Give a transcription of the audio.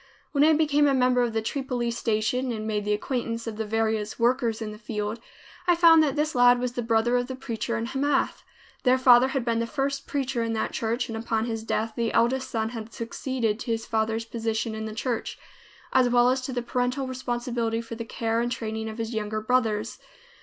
When I became a member of the Tripoli Station and made the acquaintance of the various workers in the field, I found that this lad was the brother of the preacher in Hamath. Their father had been the first preacher in that church, and upon his death the eldest son had succeeded to his father's position in the church, as well as to the parental responsibility for the care and training of his younger brothers.